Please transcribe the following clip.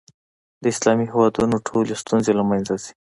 د اسلامي هېوادونو ټولې ستونزې له منځه ځي.